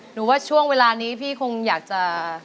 ว่าช่วงเวลานี้พี่คงอยากจะ